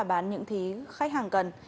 và bán những gì khách hàng cần